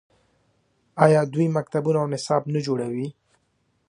آیا دوی مکتبونه او نصاب نه جوړوي؟